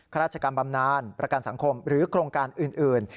ราชการบำนานประกันสังคมหรือโครงการอื่น